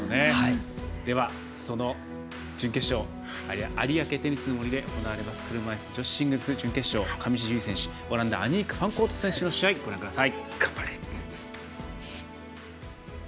では、その準決勝有明テニスの森で行われます車いすテニス女子シングルス準決勝上地結衣選手オランダアニーク・ファンコート選手の試合をご覧ください。